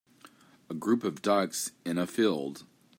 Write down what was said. A group of ducks in a field.